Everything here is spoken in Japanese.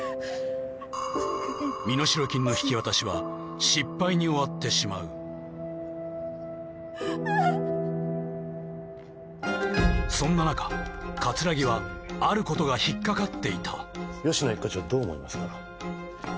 身代金の引き渡しは失敗に終わってしまうそんな中葛城はあることが引っかかっていた吉乃一課長どう思いますか？